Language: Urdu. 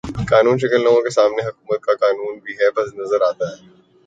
قانوں شکن لوگوں کے سامنے حکومت کا قانون بھی بے بس نظر آتا ہے